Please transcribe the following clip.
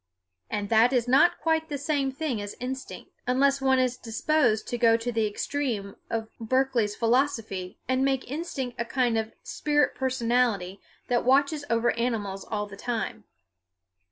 And that is not quite the same thing as instinct, unless one is disposed to go to the extreme of Berkeley's philosophy and make instinct a kind of spirit personality that watches over animals all the time.